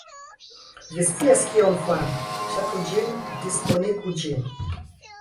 Vi scias kion fari - Ŝatu ĝin, diskonigu ĝin